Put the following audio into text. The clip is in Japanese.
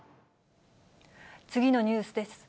次のニュースです。